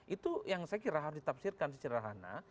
itu yang saya kira harus ditafsirkan secara hana